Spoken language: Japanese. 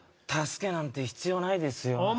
助けなんて必要ないですよ